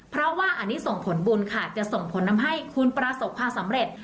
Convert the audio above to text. เพราะว่าอันนี้ส่งผลบุญค่ะจะส่งผลทำให้คุณประสบความสำเร็จ